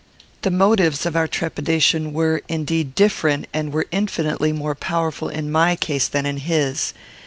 The motives of our trepidation were, indeed, different, and were infinitely more powerful in my case than in his.